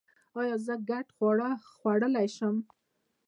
ایا زه ګډ خواړه خوړلی شم؟